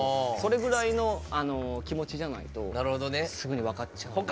それぐらいの気持ちじゃないとすぐに分かっちゃう。